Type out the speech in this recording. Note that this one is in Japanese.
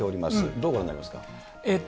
どうご覧になりますか。